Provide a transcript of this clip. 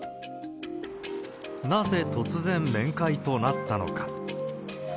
なぜ突然、面会となったのか。